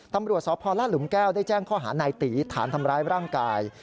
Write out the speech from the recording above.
ตำรวจสพลาดหลุมแก้วได้แจ้งข้อหานายตีฐานทำร้ายร่างกาย